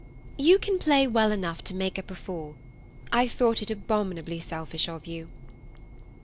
"You can play well enough to make up a four. I thought it abominably selfish of you."